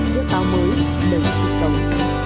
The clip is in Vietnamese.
chứa cao mới đời sống